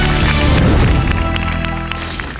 ขอบคุณครับ